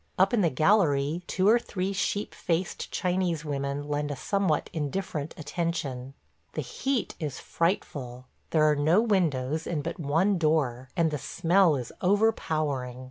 Up in the gallery two or three sheep faced Chinese women lend a somewhat indifferent attention. The heat is frightful. ... There are no windows and but one door, and the smell is overpowering.